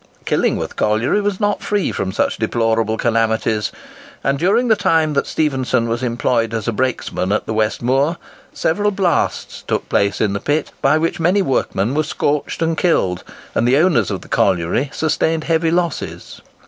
Killingworth Colliery was not free from such deplorable calamities; and during the time that Stephenson was employed as a brakesman at the West Moor, several "blasts" took place in the pit, by which many workmen were scorched and killed, and the owners of the colliery sustained heavy losses.